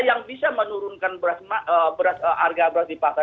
yang bisa menurunkan harga beras di pasar